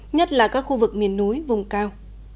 nhất là các khu vực miền núi vùng cao